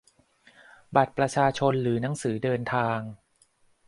บัตรประชาชน หรือ หนังสือเดินทาง